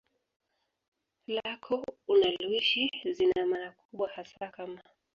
lako unaloishi zina maana kubwa hasa kama